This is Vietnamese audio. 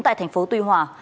tại thành phố tuy hòa